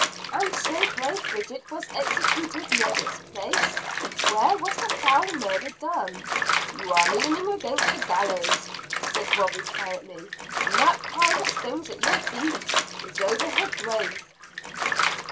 "And so brave Bridget was executed near this place? Where was the foul murder done?" "You are leaning against the gallows," said Robie quietly. "And that pile of stones at your feet is over her grave."